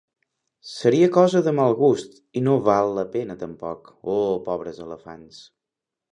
Seria cosa de mal gust. I no val la pena, tampoc. Oh, pobres elefants!